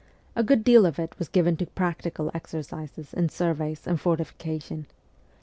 A good deal of it was given to practical exercises in surveys and fortification.